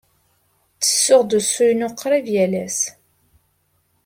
Ttessuɣ-d usu-inu qrib yal ass.